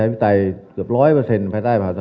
ววววว